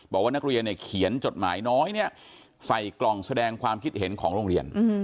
บอกว่านักเรียนเนี่ยเขียนจดหมายน้อยใส่กล่องแสดงความคิดเห็นของโรงเรียน